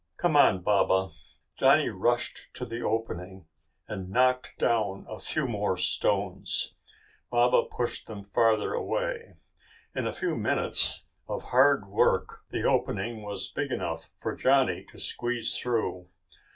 "Come on, Baba!" Johnny rushed to the opening and knocked down a few more stones. Baba pushed them farther away. In a few minutes of hard work the opening was big enough for Johnny to squeeze through.